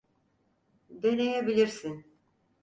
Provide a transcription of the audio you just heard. Deneyebilirsin.